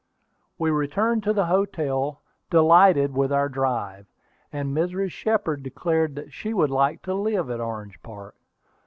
We returned to the hotel, delighted with our drive, and Mrs. Shepard declared that she should like to live at Orange Park.